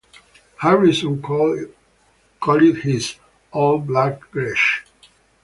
Harrison called it his "old black Gretsch".